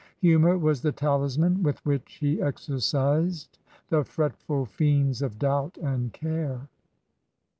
Humor was the talisman with which he exercised "the fretful fiends of doubt and care."